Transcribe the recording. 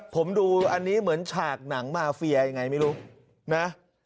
ผมดูอันนี้เหมือนฉากหนังมาเฟียยังไงไม่รู้นะ